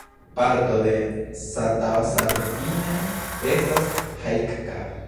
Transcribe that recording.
Parto de Satasarvinen estas Haikka.